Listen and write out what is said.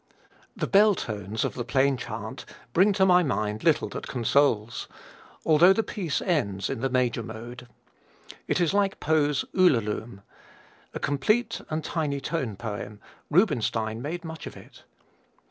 The "bell tones" of the plain chant bring to my mind little that consoles, although the piece ends in the major mode. It is like Poe's "Ulalume." A complete and tiny tone poem, Rubinstein made much of it.